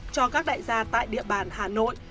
cho các đại gia tại địa bàn hà nội